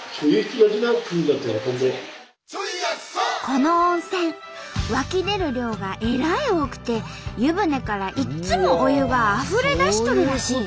この温泉湧き出る量がえらい多くて湯船からいっつもお湯があふれ出しとるらしい。